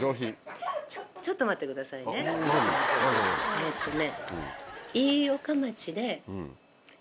えっとね。